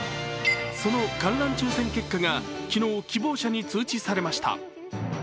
その観覧抽選結果が昨日、希望者に通知されました。